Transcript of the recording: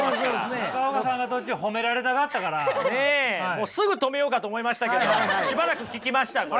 もうすぐ止めようかと思いましたけどしばらく聞きました。